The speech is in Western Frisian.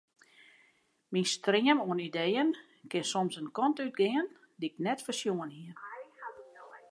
Myn stream oan ideeën kin soms in kant útgean dy't ik net foarsjoen hie.